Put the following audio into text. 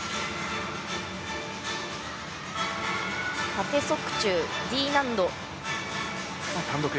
縦側宙、Ｄ難度。